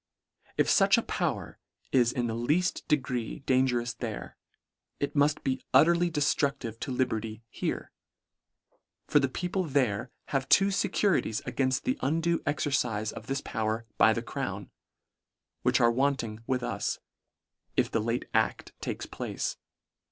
If fuch a power is in the leaft degree dan gerous there, it muft be utterly deftructive to liberty here. — For the people there have two fecurities againft the undue exercife of this power by the crown, which are want ing with us, if the late act takes place.